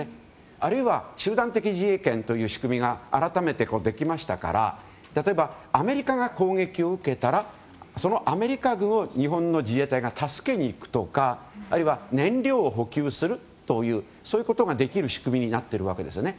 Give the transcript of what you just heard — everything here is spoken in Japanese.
あるいは集団的自衛権という仕組みが改めてできましたから例えばアメリカが攻撃を受けたらそのアメリカ軍を日本の自衛隊が助けに行くとかあるいは、燃料を補給するというそういうことができる仕組みになっているわけですよね。